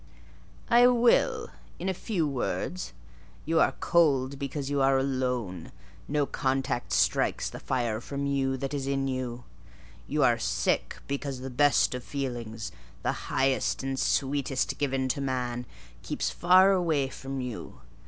"I will, in few words. You are cold, because you are alone: no contact strikes the fire from you that is in you. You are sick; because the best of feelings, the highest and the sweetest given to man, keeps far away from you.